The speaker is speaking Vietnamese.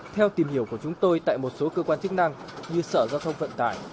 theo tìm hiểu của chúng tôi tại một số cơ quan chức năng như sở giao thông vận tải